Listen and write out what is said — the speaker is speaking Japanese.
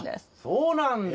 そうなんだ。